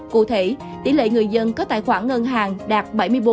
cụ thể tỷ lệ người dân có tài khoản ngân hàng đạt bảy mươi bốn sáu mươi ba